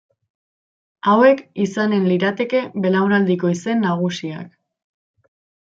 Hauek izanen lirateke belaunaldiko izen nagusiak.